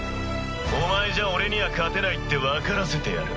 お前じゃ俺には勝てないって分からせてやる。